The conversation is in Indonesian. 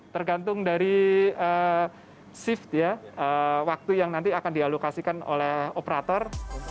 tergantung dari shift ya waktu yang nanti akan dialokasikan oleh operator